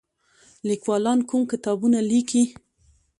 لیکوالان کوم کتابونه لیکي؟